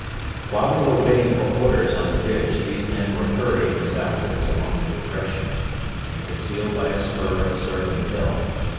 While we were waiting for orders on the ridge these men were hurrying southwards along the depression, and concealed by a spur of Surgham Hill.